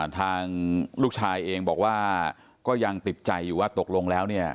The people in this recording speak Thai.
ทางลูกชายเองบอกว่าก็ยังติดใจอยู่ว่าตกลงแล้วเนี่ย